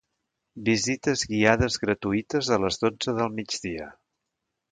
visites guiades gratuïtes a les dotze del migdia